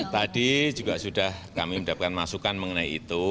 tadi juga sudah kami mendapatkan masukan mengenai itu